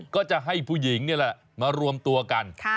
ก็จะให้ผู้หญิงนี่แหละมารวมตัวกัน